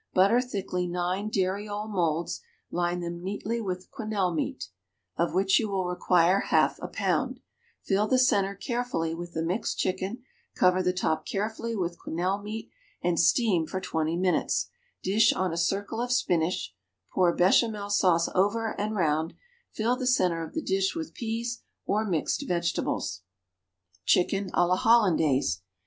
Butter thickly nine dariole moulds, line them neatly with quenelle meat,[114 *] of which you will require half a pound, fill the centre carefully with the mixed chicken, cover the top carefully with quenelle meat, and steam for twenty minutes; dish on a circle of spinach, pour béchamel sauce over and round, fill the centre of the dish with peas or mixed vegetables. _Chicken à la Hollandaise.